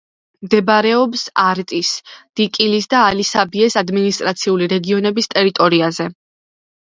მდებარეობს არტის, დიკილის და ალი-საბიეს ადმინისტრაციული რეგიონების ტერიტორიაზე.